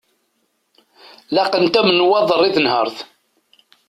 Laqent-am nnwaḍer i tenhert.